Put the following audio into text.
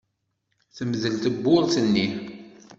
Temdel tewwurt-nni.